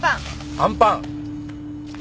あんパン。